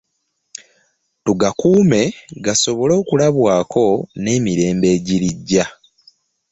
Tugakuume gasobole okulabwako n'emirembe egirijja